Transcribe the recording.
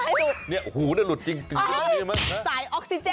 อะไรดูเนี่ยหูได้หลุดจริงถึงตรงนี้ม๊ะฮะก๊อนย๊อดอย่างสายออกซิเจน